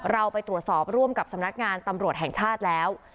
เราไปตรวจสอบร่วมกับสำนักงานตำรวจแห่งชาติแล้ว